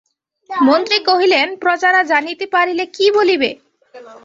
মন্ত্রী কহিলেন, প্রজারা জানিতে পারিলে কী বলিবে?